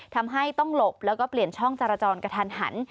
ทำให้ต้องหลบแล้วก็เปลี่ยนช่องจรจรกระทันหัน